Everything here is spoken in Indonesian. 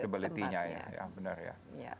respectability nya ya ya bener ya